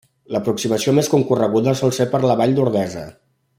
L'aproximació més concorreguda sol ser per la vall d'Ordesa.